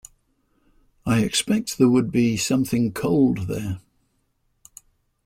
I expect there would be something cold there.